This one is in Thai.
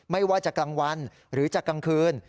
ไม่ว่าจะกลางวันหรือจะกลางคืน